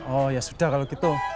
oh ya sudah kalau gitu